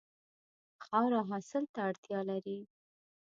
خاوره حاصل ته اړتیا لري.